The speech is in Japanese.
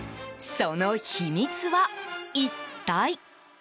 その秘密は、一体？